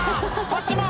こっちも！